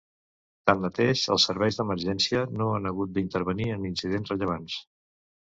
Tanmateix, els serveis d’emergències no han hagut d’intervenir en incidents rellevants.